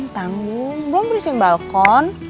tanggung belum bersihin balkon